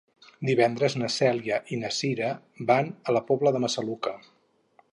Divendres na Cèlia i na Cira van a la Pobla de Massaluca.